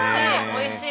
おいしい。